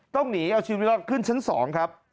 ต้องหนีเอาชีวิตรอดขึ้นชั้น๒ครับ